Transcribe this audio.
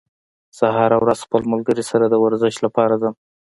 زه هره ورځ خپل ملګري سره د ورزش لپاره ځم